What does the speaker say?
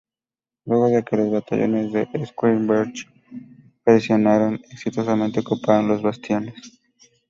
Luego de que los batallones de Schwarzenberg presionaron exitosamente ocuparon los bastiones.